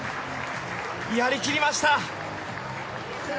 やりきりました。